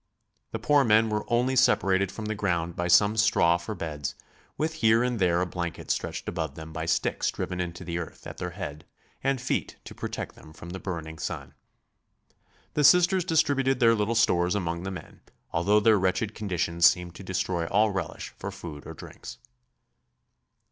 The poor men were only separated from the ground by some straw for beds, with here and there a blanket stretched above them by sticks driven into the earth at their head and feet to protect them from the burning sun. The Sisters distributed their little stores among the men, although their wretched condition seemed to destroy all relish for food or drinks.